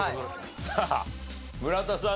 さあ村田さん